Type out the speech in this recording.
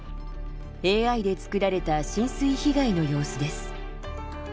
ＡＩで作られた浸水被害の様子です。